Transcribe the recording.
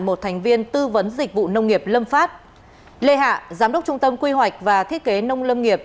một thành viên tư vấn dịch vụ nông nghiệp lâm phát lê hạ giám đốc trung tâm quy hoạch và thiết kế nông lâm nghiệp